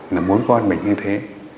là muốn con mình như thế